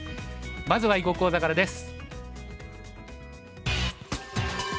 まずは囲碁講座からです。